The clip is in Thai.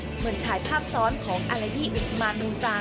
เหมือนฉายภาพซ้อนของอาลายดีอุสมานมูซา